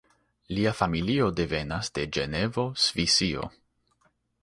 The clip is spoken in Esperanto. Lia familio devenas de Ĝenevo, Svisio.